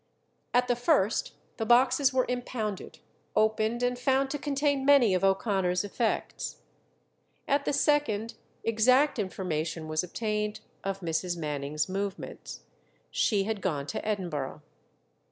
At the first the boxes were impounded, opened, and found to contain many of O'Connor's effects. At the second exact information was obtained of Mrs. Manning's movements. She had gone to Edinburgh.